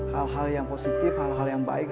hal hal yang positif hal hal yang baik